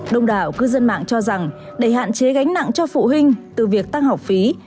đông đảo cư dân mạng cho rằng để hạn chế gánh nặng cho phụ huynh từ việc tăng học phí